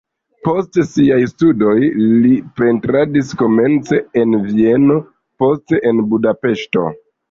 Post siaj studoj li pentradis komence en Vieno, poste en Budapeŝto.